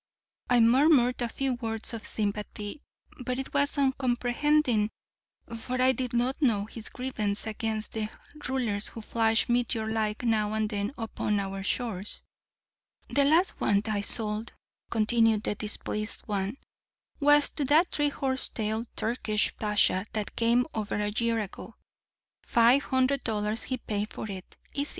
I murmured a few words of sympathy. But it was uncomprehending, for I did not know his grievance against the rulers who flash, meteor like, now and then upon our shores. "The last one I sold," continued the displeased one, "was to that three horse tailed Turkish pasha that came over a year ago. Five hundred dollars he paid for it, easy.